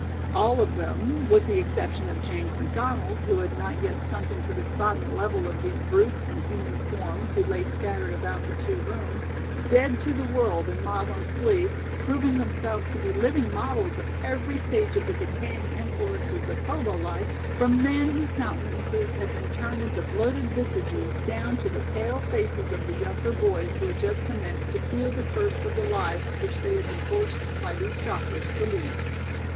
All of them with the exception of James McDonald, who had not yet sunken to the sodden level of these brutes in human forms who lay scattered about the two rooms, dead to the world in maudlin sleep, proving themselves to be living models of every stage of the decaying influences of hobo life, from men whose countenances had been turned into bloated visages down to the pale faces of the younger boys who had just commenced to feel the curse of the lives which they had been forced by these jockers to lead.